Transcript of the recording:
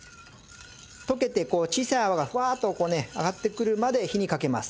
溶けてこう小さい泡がふわっとこうね上がってくるまで火にかけます。